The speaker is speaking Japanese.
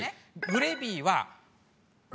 グレビーは。